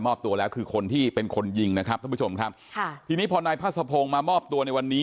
ตัวแล้วคือคนที่เป็นคนยิงนะครับท่านผู้ชมครับค่ะทีนี้พอนายพาสะพงศ์มามอบตัวในวันนี้